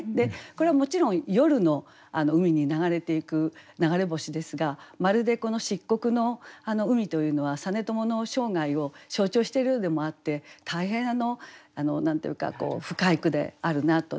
これはもちろん夜の海に流れていく流れ星ですがまるでこの漆黒の海というのは実朝の生涯を象徴しているようでもあって大変何て言うか深い句であるなと。